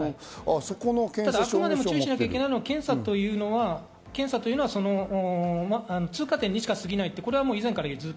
ただ、あくまでも注意しなければいけないのは検査というのは通過点にしか過ぎない。